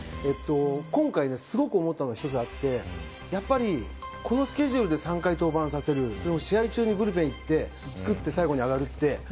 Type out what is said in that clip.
今回、すごく思ったことが１つあってやっぱり、このスケジュールで３回登板させる試合中にブルぺンに行って作って最後に上がって。